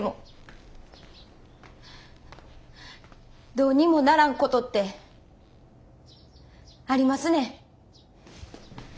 どうにもならんことってありますねん。